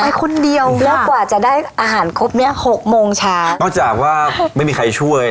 คนเดียวแล้วกว่าจะได้อาหารครบเนี้ยหกโมงเช้านอกจากว่าไม่มีใครช่วย